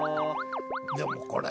でもこれ。